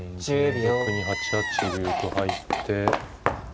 同玉に８八竜と入って。